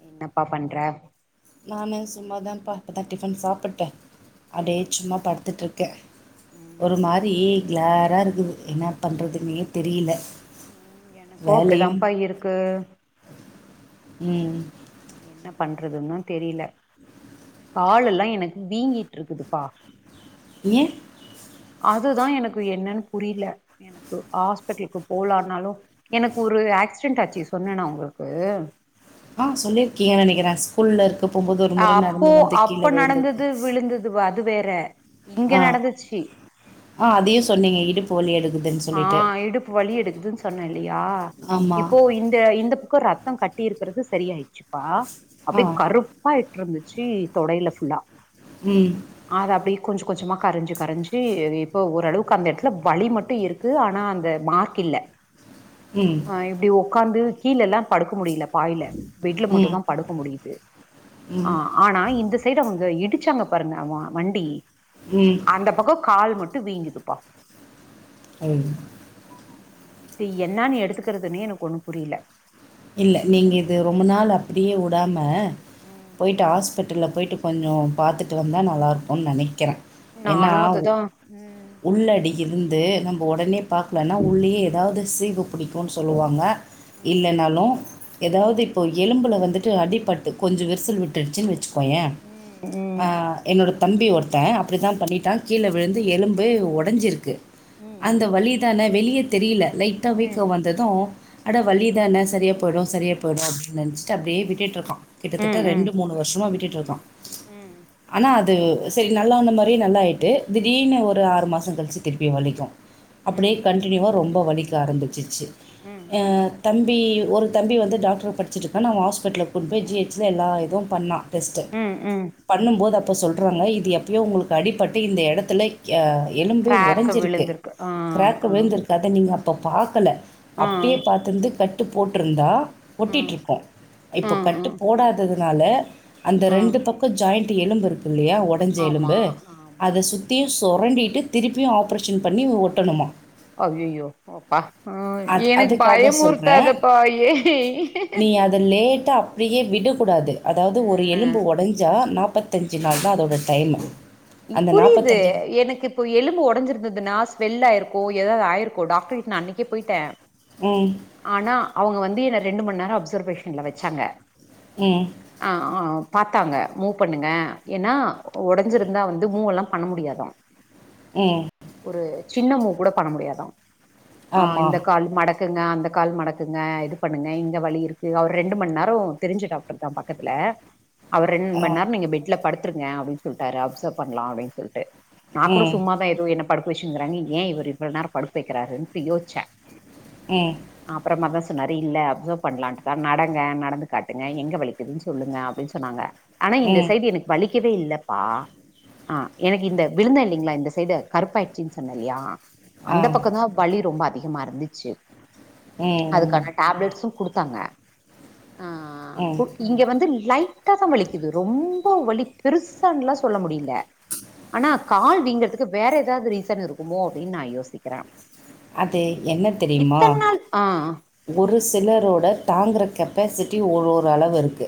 நீ என்னப்பா பண்ற நானே சும்மாதான்ப்பா இப்போதா டிஃபன் சாப்பிட்டு ம் அப்டியே சும்மா படுத்துட்டுருக்கே ஒரு ம் மாரி கேர்ரா இருக்குது என்ன பண்றதுன்னே தெரில எனக்கும் அப்டிதாப்பா இருக்கு ம் என்ன பண்றதுன்னு தா தெரில காலு எல்லா எனக்கு வீங்கிட்டு இருக்குதுப்பா ஏ அதுதா எனக்கு என்னன்னு புரில எனக்கு ஹாஸ்பிட்டலுக்கு போலாம்னாலும் எனக்கு ஒரு ஆக்சிடென்ட் ஆச்சி சொன்னனா உங்களுக்கு ஆ சொல்லிருக்கீங்கேனு நினைக்கிறே ஸ்கூல்ல இருக்க போம்போது ஒரு முறை நடந்து வந்து கீழே விழுந்தது இது அது வேற இங்க ஆ நடந்துச்சி ஆ அதையும் சொன்னீங்கே இடுப் பு வலி எடுக்குதுன்னு சொ ஆ இடுப்பு வலி எடுக்குதுன்னு சொன்னே இல்லையா ஆமா இப்போ இந்த இந்த பக்கம் ரத் தம் கட்டி இருக்கிறது சரியாய்டுச்சுப்பா ஆ அப்டியே கருப்பா இட்டு இருந்துச்சி தொடையில ஃபுல்லா ம் ஆது அப்டியே கொஞ்சோ கொஞ்சமா கரஞ்சி கரஞ்சி இப்போ ஓரளவுக்கு அந்த இடத்துல வலி மட்டும் இருக் கு ஆனா அந்த மார்க் இல்ல ம் ஆ இப்டி உக்காந்து கீழல்லா படுக்க முடில பாய்ல பெட்ல மட்டு ம் தா படுக்க முடியுது ஆ ம் ம் ஆனா இந்த சைடு அவங்க இடிச்சாங்க பாருங்க அவ வண்டி ம் அந்த பக்கோ கால் மட்டு வீங்குதுப்பா அய்டி இது என்னன்னு எடுத்துக்றதுன்னே எனக்கு ஒண்ணு புரில இல்ல நீங்க இது ரொம்ப நாள் அப்டியே வுடாம ம் போய்ட்டு ஹாஸ்பிட்டல்ல போய்ட்டு கொஞ்சொ பாத்துட்டு வந்தா நல்லாருக்குனு நினைக்றே ஏன்னா நானு அதுதா ம் உள்ளடி இருந்து நம்ம உடனே பாக்கலன்னா உள்ளேயே ஏதாவுது சீகு புடிக்குனு சொல்லுவாங்க இல்லைனாலு ம் ஏதாவ்து இப்போ எலும்புல வந்து ட்டு அடிபட்டு கொஞ்சோ விருசல் விட்டுட்ச்சு வச்சுக்கோயே ம் ஆ ம் என்னோட தம்பி ஒருத்த அப்டி தா பண்ணிட்டா கீழ விழுந்து எலும்பு உடஞ்சிருக்கு ம் அந்த வலிதான வெளிய தெரில லைட்டா ம் வீக்கோ வந்தது ம் அட ம் வலிதான சரியா போயிடு சரியா போயிடு அப்டின்னு நினைச்சிட்டு அப்டியே விட்டுட் இருக்கா கிட்டதட்ட ம் ரெண்டு மூணு வருஷமா விட்டுட் இருக்கா ம் ஆனா அது சேரி நல்லா வந்த மாரியே நல்லா ஆயிட்டு திடீர்னு ம் ஒரு ஆறு மாச கழிச்சு திருப்பி வலிக்கு ம் அப்டியே ம் ம் கன்டினியூவா ரொம்ப வலிக்க ஆரம்பிச்சிச்சு ம் அ தம்பி ஒரு தம்பி வந்து டாக்ட்ருக்கு படிச்சுட்ருக்கானு அவ ஹாஸ்பிட்டல்லக் கூட்னு போய் ஜி ஹெச் ல எல்லா இதுவு பண்ணா டெஸ்ட்டு ம் ம் ம் பண்ணும்போது அப்ப சொல்றாங்க இது எப்பயோ உங்களுக்கு அடிப்பட்டு இந்த எடத்துல யா எலும்பு கிராக்கு ஒடஞ்சிருக்கு விழுந்திருக்கு ஆ கிராக்கு ஆ விழுந்திருக்கு கத நீங்க அப்ப பாக்கல ஆ அப்பயே பாத்திருந்து கட்டு போட்ருந்தா ம் ஒட்டிட்ருக்கு இப்ப ம் கட்டு ம் போடாத் ததுனால அந்த ம் ரெண்டு பக்க ஜாயிண்ட்டு எலும்பு இருக்கு இல்லையா ஒட டஞ்ச ஆமா எலும்பு ஆமா அத சுத்தியு சொரண்டிட்டு திருப்பியு ஆப்ரேஷன் பண்ணி ஒட்டணுமா ஐயயோ அப்பா ஆ அது எனக்கு அதுக்காக சொல்றேன். பயமுர்த்தாதப்பா ஏய் த லேட்டா அப்டியே விடக்கூடாது அதாவ்து ஒரு எலும்பு ஒடஞ்சா நாப்பத் த்தஞ்சு நாள் தா அதோட டைமு ம் அந்த புரியுது எனக்கு இப்போ எலும்பு ஒடஞ்சிருந்ததுனா ஸ்வெல்லாயிருக்கு எதாவ்து ஆயிருக்கு டாக்டர்கிட்ட நா அன்னைக்கே போயிட்டே ம் ஆனா அவ்ங்க வந்து என்ன ரெண்டு மண்நேர அப்சர்வேஷன்ல வெச்சாங்க ம் ஆ ஆ பாத்தாங்க மூவ் பண்ணுங்க ஏனா ஒடஞ்சிருந் ந்தா வந்து மூவெல்லா பண்ண முடியாதா ம் ஒரு சின்ன மூவ் கூட பண்ண முடியாதா ஆ ஆமா. இந்த காலு மடக் க்குங்க அந்த கால் மடக்குங்க இது பண்ணுங்க இங்க வலி இருக்கு அவர் ரெண்டு மண் நேரோ தெரிஞ்ச டாக்டர் தா பக்கத்துல அவர் ரெண்டு ஆ. மணி நேர நீங்க பெட்ல படுத்துருங்க அப்டின் சொல்ட்டாரு அப்சர்வ் பண்லா அப்டின் சொல்ட்டு நா கூட ம். சும்மாதா எதோ என்ன படுக்க வெச்சுனுங்கிறாங்க ஏ இவரு இவ்ளோ நேர படுக்க வெக்றாருன்ட்டு யோசிச்சே ம் ஆ அப்பறமாதா சொன்னாரு இல்ல அப்சர்வ் பண்லான்ட்டுதா நடங்க நடந்து காட்டுங்க எங்க வலிக் க்குதுன் சொல்லுங்க அப்டின் சொன்னாங்க ஆனா இந்த ம். சைடு எனக்கு வலிக்கவே இல்லப்பா ஆ எனக்கு இந்த விழுந்தே இல்லைங்ளா இந்த சைடு கருப்பாய்ட்சின் சொன்னே இல்லையா ஆ. அந்த பக்கந்தா வலி ரொம்ப அதிகமா இருந்துச்சு ம். ம். அதுக்கான டேப்லெட்ஸு குடுத்தாங்க ஆ ம். கு இங்க வந்து லை ட்டா தா வலிக்குது ரொம்ப வலி பெருசான்லா சொ சொல்ல முடிய்ல ஆனா கால் வீங்கறத்துக்கு வேற எதாவ்து ரீசன் இருக்குமோ அப்டின் நா யோசிக்கிறே அது என்ன தெரியுமா இத்தன நாள் ஆ ஒரு சிலரோட தாங்குற கெப்பாசிட்டி ஒரு ஒரு அளவு இருக்கு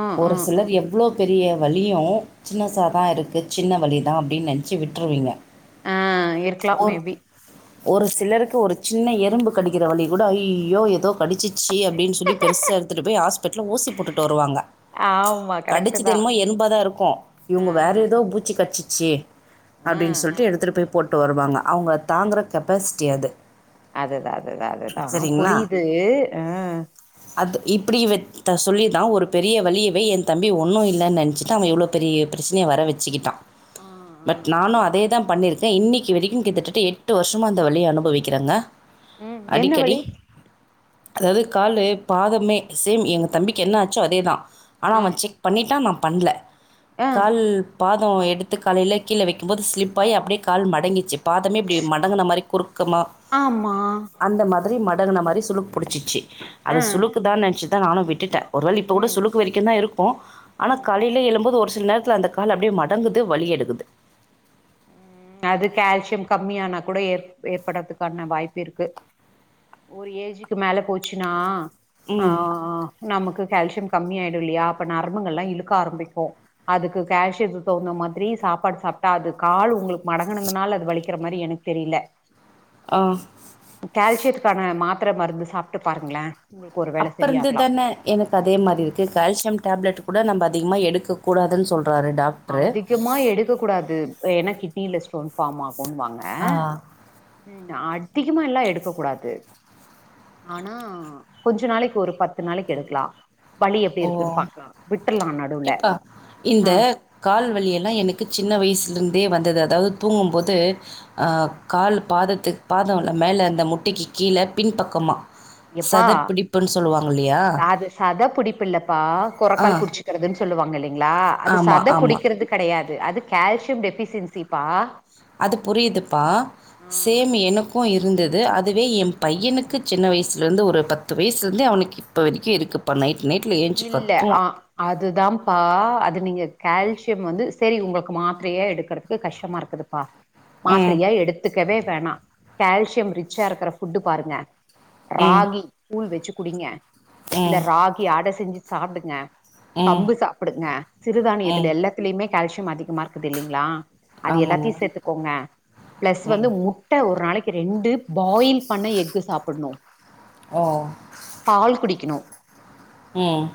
ஆ ஆ ஒரு ஆ சிலர் எவ்ளோ பெரிய வலியு சின்னசா ம். தா இருக்கு சின்ன வலி தா அப்டின் நெனச்சு விட்ருவீங்க ஆ இருக்கலா மே பி ஒரு சிலருக்கு ஒரு சின்ன எறும்பு கடிக்கிற வலி கூட ஐயோ எதோ படிச்சுச்சு அப்டின் சொல்லி பெருசா எடுத்துட்டு போய் ஹாஸ்பிட்டல்ல ஊசி போட்டுட்டு வருவாங்க ஆமா கரெக்ட் கடிச்சது தா என்னமோ எறும்பாதா இருக்கு ஆ இவ்ங்க வேற எதோ பூச்சி கட்ச்சிச்சு ஆ அப்டின் ஆ சொல்ட்டு எடுத்துட்டு போய் போட்டு வருவாங்க அவ்ங்க தாங்குற அதுதா அதுதா அதுதா சரிங்களா புரியுது அ அது இப்டி இவர்ட்ட சொல்லி தா ஒரு பெரிய வலியவே எ தம்பி ஒன்னு இல்லன் நெனச்சிட்டு அவ எவ்ளோ பெரிய பிரச்சனைய வர வெச்சுக்கிட்டா ஆ ஆ பட் ஆ. நானு அதே தா பண்ணிருக்கே இன்னைக்கு வரைக்கு கிட்டத்தட்ட எட்டு வர்ஷ துமா அந்த வலிய அனுபவிக்கிறங்க ம் என்ன அடிக்கடி வலி அதாவது காலு பாதமே சேம் எங்க தம்பிக்கு என்னாச்சோ அதேதான் ஆனா ஆ அவன் செக் பண்ணிட்டான் நான் பண்ல ஆ கால் பாதோ எடுத்து காலையில கீழ வைக்கும் போது ஸ்லிப்பாயி அப்படியே கால் மடங்கிச்சு பாதமே இப்டி மட மாரி குறுக்கமா ஆமா அந்த மாதிரி மடங்குன மாரி சுழுக்கு புடிச்சுச்சி அது ஆ சுழுக்கு தான் நனச்சி தான் நானும் விட்டுட்டேன் ஒருவேல இப்போ கூட ம் சுழுக்கு வரைக்கும் தான் இருக்கும் ஆனா ம் காலையில எழும்போது ஒரு சில நேரத்தில அந்த கால் அப்டியே மடங்குது வழி எடுக்குது ம் அது கேல்சியம் கம்மியானா கூட ஏற் ஏற்படுறதுக்கான வாய்ப்பு இருக்கு ஒரு ஏஜ்க்கு மேல போச்சுன்னா ஆ ம் நமக்கு கேல்சியம் கம்மி ஆயிடும் இல்லையா அப்ப நரம்புங்கலாம் இழுக்க ஆரம்பிக்கும் அதுக்கு கேல்சியத்துக்கு தவுந்தா மாதிரி சாப்பாடு சாப்ட்டா அது கால் உங்களுக்கு மடங்குனதுனால அது வலிக்கிற மாரி எனக்கு தெரில ஆ கேல்சியத்துக்கான மாத்தர மருந்து சாப்ட்டு பாருங்களேன் அப்ப இருந்து தான எனக்கு அதே மாதிரி இருக்கு கேல்சியம் டேப்லெட் கூட நம்ப அதிகமா எடுக்க கூடாதுன்னு சொல்றாரு டாக் அதிகமா எடுக்க கூடாது ஏனா கிட்னியில ஸ்டோன் ஃபார்ம் ஆகும்ன்னுவாங்க ஆ உம் அதிகமாலா எடுக்க கூடாது ஆனா கொஞ்ச நாளைக்கு ஒரு பத்து நாளைக்கு எடுக்கலாம் வலி எப்டி இருக்குன்னு ஓ பாக்கலாம் விட்ருலாம் நடுவுல எப்பா இந்த ஆ கால் வலியெல்லாம் எனக்கு சின்ன வயசுலருந்தே வந்தது அதாவது தூங்கும்போது ஆ கால் பாதத்து பாதல மேலே இந்த முட்டிக்கு கீழ பின்பக்கமா எப்பா சதப்பிடிப்புன்னு சொல்லுவாங்க இல்லையா அது சத புடிப்பு இல்லப்பா ஆ கொரக்கால் புடிச்சுக்கறதுன்னு சொல்லுவாங்க இல்லைங்களா அது ஆமாம் சத ஆமாம் புடிக்கிறதுக்கு கெடையாது அது கால்சியம் டெஃபிசியன்சிப்பா அது புரியுதுப்பா சேம் எனக்கும் இருந்தது அதுவே என் பையனுக்கு சின்ன வயசுலந்து ஒரு பத்து வயசுலேந்தே அவனுக்கு இப்ப வரைக்கும் இருக்கு இப்ப நைட் நைட்டுல ஏந்ச்சு கத்துவான் அதுதாம்ப்பா அது நீங்க கேல்சியம் வந்து சேரி உங்களுக்கு மாத்ரையா எடுக்குறக்கு கஷ்டமா இருக் குதுப்பா ம் மாத்ரியா எடுத்துக்கவே வேணா கால்சியம் ரிச்சா இருகற ஃபுட்டு பாருங்க ம் ராகி கூள் வச்சு குடிங்க இல்ல ம் ராகி அட செஞ்சு சாப்டுங்க ம் கம்பு சாப்டுங்க சிறுதானியத்ல ம் எல்லாத்துலயுமே கால்சியம் அதிகமா இருக்குதில்லைங்ளா அது ஆமாங்க எல்லாத்தையு சேத்துக்கோங்க ப்ளஸ் வந்து ம் முட் ட்ட ஒரு நாளைக்கு ரெண்டு பாயில் பண்ண எக்கு சாப்பிட்ணு ஓ பால் குடிக்கணு ம்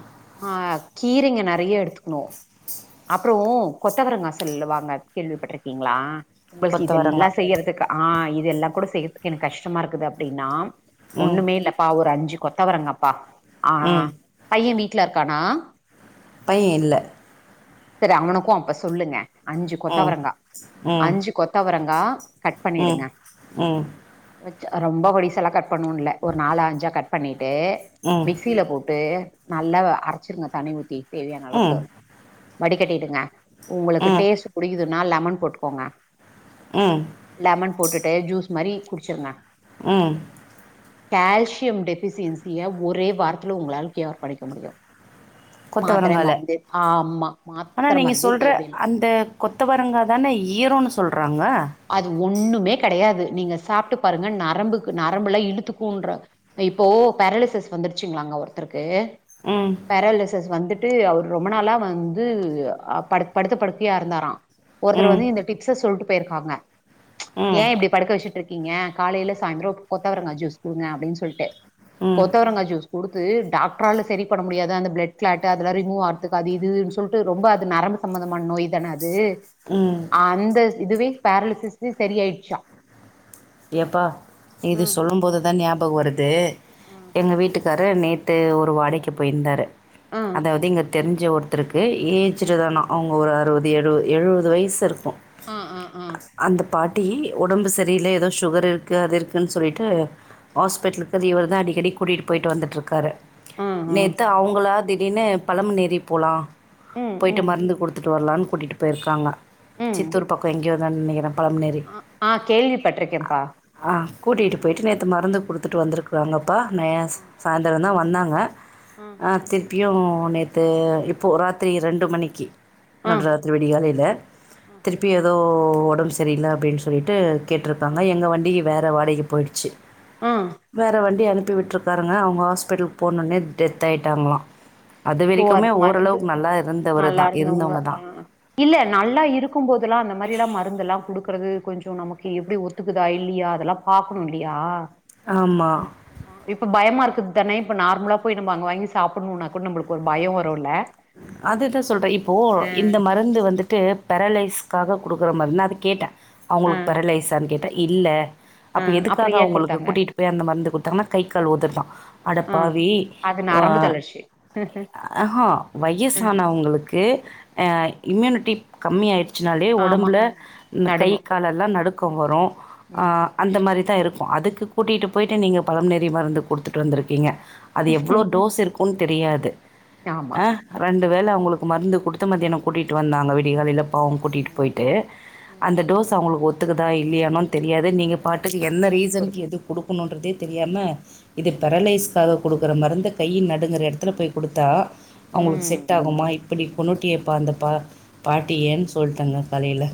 ஆ கீரைங்க நறைய எடுத்துக்கணு அப்றொ கொத்தவரங்கா சொல்வாங்க கேள்விப்பட்ருக்கீங்ளா உங்கள்க்கு கொத்தவரங்கா இதெல்லா செய்யறதுக்கு ஆ இதெல்லா கூட செய்யறதுக்கு எனக்கு கஷ்டமா இருக்குது அப்டின்னா ம் ஒண்ணுமே இல்லப்பா ஒரு அஞ்சு கொத்தவரங்கப்பா ஆ ம் பைய வீட்ல இருக்கானா பைய இல்ல செரி அவனுக்கோ அப்ப சொல்லுங்க அஞ்சு ம் கொத்தவரங்கா ம் அஞ்சு கொத்தவரங்கா கட் ம் பண்ணிடுங்க ம் ம் ரொம்ப பொடிசால்லா கட் பண்ணோன் இல்ல ஒரு நாலு அஞ்சா கட் பண்ணிட்டு மிக்சீல போட் டு நல்லா அரச்சிருங்க தண்ணி ஊத்தி தேவையான அளவுக்கு ம் வடி கட்டிடுங்க உங்குளுக்கு ம் டேஸ்ட் புடிக்குதுன்னா லெமன் போட்டுக்கோங்க ம் லெமன் போட்டுட்டு ஜூஸ் மாரி குடிச்சுருங்க ம் கேல்சியம் டெஃபிசியன்சிய ஒரே வாரத்துல உங்களால க்யூர் பண்ணிக்க முடியு மாத்ர கொத்தவரங்கால மருந்து ஆ ம்மா மாத்ர மருந்தே தேவயில்ல இந்த கொத்தவரங்கா தான ஈரோன்னு சொல்றாங்க அது ஒண்ணுமே கெடையாது நீங்க சாப்ட்டு பாருங்க நரம்புக் நரம்புல்லா இழுத்துக்குன்ற இப்போ பேரலிசிஸ் வந்துருச்சுங்ளாங்க ஒருத்தர்க்கு உம் பெராலிசஸ் வந்துட்டு அவர் ரொம்ப நாளா வந்து ப படுத்த படுக்கயா இருந்தாரா ஒருத்தர் ம் வந்து இந்த டிப்ஸ சொல்ட்டு போய்ருக்காங்க ஏ ம் இப்டி படுக்க வெச்சுட்ருக்கீங்க காலைல சாய்ந்தரோ கொத்தவரங்கா ஜூஸ் குடுங்க அப்டீன்னு சொல்ட்டு ம் கொத்தவரங்க ஜூஸ் கொடுத்து டாக்டரால் செரி பண்ண முடியாது அந்த பிளட் க்லாட் அதெல்லா ரிமூவ் ஆரதுக்கு அது இதுன் சொல்ட்டு ரொம்ப அது நரம்பு சம்பந்தமான நோய் தான அது உம் அந்த இதுவே பேரலிசிஸ்க்கே சரியாய்ட்ச்சா எப்பா இது சொல்லும்போது தா ஞாபகோ வருது ம் எங்க வீட்டுக்கு ரு நேத்து ஒரு வாடைக்கு போயிருந்தாரு ம் அதாவுது இங்க தெரிஞ்ச ஒருத் தருக்கு ம் ஏஜ்டு தானா அவுங்க ஒரு அறுவது எழுது எழுவது வயசு இருக் ஆ ஆ ஆ அந்த பாட்டி ஒடம்பு சரியில ஏதோ சுகர் இருக்கு அது இருக்குன்னு சொல்லிட்டு ம் ஹாஸ்பிட்டலுக்கு இவரு தா அடிக்கடி கூட்டிட்டு போய்ட்டு வந்துட்ருக்காரு ம் ம் நேத்து அவங்களா திடீர்னு பழமநெறி போலா ம் போய்ட்டு ம் மருந்து குடுத்துட்டு வரலானு கூட்டிட்டு போய்ருக்காங்க ம் சித்தூர் பக்கோ எங்கேயோ அதா நெனைக்கிறே பலமனேரி ஆ ஆ கேள்வி பட்ருக்கேன்ப்பா ஆ கூட்டிட்டு போய்ட்டு நேத்து மருந்து குடுத்துட்டு வந்துருக் வாங்கப்பா நையாஸ் ஆ சாய்ந்தரோ தா வந்தாங்க ஆ திருப்பியு நேத்து இப்போ ராத்திரி ரெண்டு மணிக்கு ஆ நட்ராத்திரி விடியகாலைல திருப்பி எதோ ஒடம்பு சரில அப்டீன்னு சொல்லிட்டு கேட் ஆ றுக்காங்க எங்க வண்டிக்கு வேற வாடகைக்கு போய்டுச்சு ஆ வேற வண்டி அனுப்பி விட்ருக் பாருங்க அவுங்க ஹாஸ்பிட்டலுக்கு போன ஒட்னே டெத் ஆயிட்டாங்களா போ அது மறந்து இருந்தவர் நல்லா அ தான் இருந்தவுங்க இருந்தவங்க ஆ தான் இல்ல நல்லா இருக் கும் போதுலா அந்த மாரில்லா மருந் துல்லா குடுக்குறது கொஞ்சோ நமக்கு எப்டி ஒத்துக்குதா இல்லயா அதெல்லா பாக்கணோ இல்லயா ஆமா இப்ப பயமா இருக்கு தானே இப்ப நார்மலா போய் நம்ம அங்க வாங்கி சாப்புட்ணோனா கூட நம்முளுக்கு ஒரு பயோ வரோல அதுதா சொல்ற இப்போ இந்த மருந்து வந்து ட்டு பெரலைஸ்க்காக குடுக்குற மருந்து நா அத கேட்ட ஆ அவுங்களுக்கு பெரலைஸ்ஸான் கேட்ட இல்ல ஆ அப்ப அப்றோ எதுக்காக ஏ அவுங்களுக்கு குடுத்தாங்க கூட்டிட்டு இப்ப ஏ அந்த மருந்து கொடுத்தாங்கன்னா கை கால் ஒதர்தா ஆ அடப்பாவி அது ஆ நரம்பு தளர்ச்சி ஆஹா வயசு ஆ ஆனா உங்களுக்கு ஆ இம்யூனிட்டி கம்மி ஆயிடுச்சுனாலே ஆமா ஒடம்புல கை நடுங்கு காலெல்லா நடுக்கோ வரு அ ம் அந்த மாரிதா இருக்கு அதுக்கு கூட்டிட்டு போயிட்டு நீங்க பலம்னேரி மருந்து கொடுத்துட்டு வந்திருக்கீங்க அது எவ்ளோ டோஸ் இருக்குன் தெரியாது யாம் ஆ ரெண்டு வேல அவுங்களுக்கு மருந்து குடுத்து மத்தியானோ கூட்டிட்டு வந்தாங்க விடியகாலைல அவுங்க கூட்டிட்டு ம் போயிட்டு ம் ம் அந்த டோஸ் அவுங்களுக்கு ஒத்துக்குதா இல்லயானு தெரியாது நீங்க பாட்டுக்கு என்ன குடு ரீசனுக்கு எது குடுக்கணுன்றதே தெரியாம இது பெரலைஸ்க்காக குடுக்குற மருந்த கைய நடுங்கற எடத்துல போய் கொடுத்தா அவுங்களுக்கு ம் செட் ம் ஆகுமா இப்படி கொன்னுட்டியேப்பா அந்த பா ம் பாட்டியன்னு சொல்லிட்டாங்க காலையில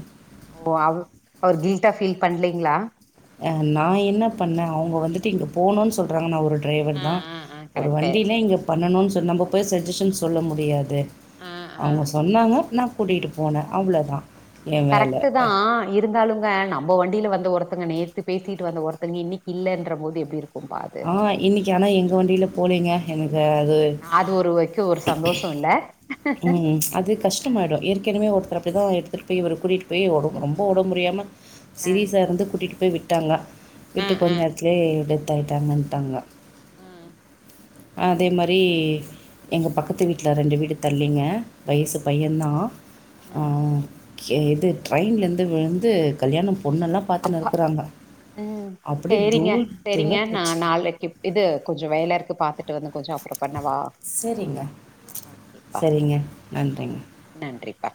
ஓ அவ் அவர் கில்டா ஃபீல் பண்லீங்ளா அ நா என்ன பண்ண அவுங்க வந்துட்டு இங்க போணுன் சொல்றாங்க நா ஒரு டிரைவர் ஆ தா ஆ ஆ ஒரு கரெக்ட்டு வண்டியில இங்க பண்ணனு சொ நம்ப போய் சஜஷன் சொல்ல முடியாது ஆ ஆ அவுங்க சொன் னாங்க நா கூட்டிட்டு போன அவ்ளோதா கரெக்ட்டுதா இருந்தாலுங்க நம்ப வண்டியில வந்த ஒருத்தங்க நேத்து பேசிட்டு வந்த ஒருத்தங்க இன்னைக்கி இல்லன்ற போது எப்டி இருக் ஆ இன்னைக்கி ஆனா எங்க வண்டியில போலேங்க எனக்கு அது ஒருவாய்க்கு ஒரு சந்தோஷோ இல்ல ம் அது கஷ் ஆ டமாயிடு ஏற்கனவே ஒருத்தர் அப்டி தா எடுத்துட்டு போய் இவர் கூட்டிட்டு போய் ரொம்ப ஒடம்பு முடியாம ஆ சிரீஸ் சா இருந்து கூட்டிட்டு போய் விட்டாங்க ஆ விட்டுக் ஆ கொந்நேரத் லே டெத் ஆயிட்டாங்கன்ட்டாங்க ம் அ அதே மாரி எங்க பக்கத்து வீட்ல ரெண்டு வீடு தள்ளிங்க வயசு பைய ம் தா ஆ ம் கே இது ட்ரெயின்லந்து விழுந்து கல்யாணம் பொண்ணெல்லா பாத்துனு அப்பா இருக்கறாங்க ம் அப்படியே சேரிங்க தூள் சேரிங்க தூளா நா போச்சு நாளைக்கு இது கொஞ்சோ வேல இருக்கு பாத்து ட்ரு வந்து கொஞ்சோ அப்றோ பண்ணவா சரிங்க ஓகேப்பா சரிங்க அ நன்றிங்க நன்றிப்பா